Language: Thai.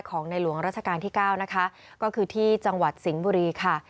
ในหลวงราชการที่๙นะคะก็คือที่จังหวัดสิงห์บุรีค่ะ